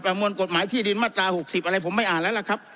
มวลกฎหมายที่ดินมาตรา๖๐อะไรผมไม่อ่านแล้วล่ะครับ